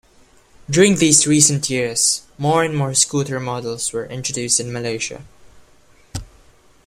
During these recent years, more and more scooter models were introduced in Malaysia.